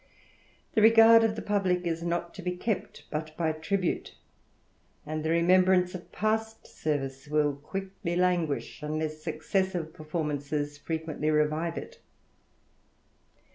The regard of the publick is not to be kept but by tribute, and llic remembrance of past service will quickly languish, unless successive performances frequently revive it.